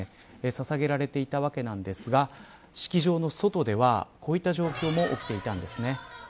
ささげられていたわけなんですが式場の外では、こういった状況も起きていたんですね。